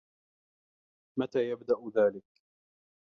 متى يبدأ ذلك؟